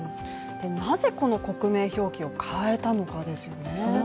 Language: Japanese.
なぜこの国名表記を変えたのかですよね。